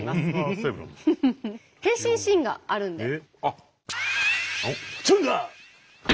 変身シーンがあるんで。